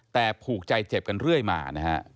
แต่ผูกใจเจ็บกันเรื่อยมานะฮะ